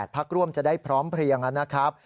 พักร่วมจะได้พร้อมเพลียงนะครับ